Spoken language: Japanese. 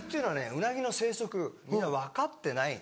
ウナギの生息みんな分かってないの。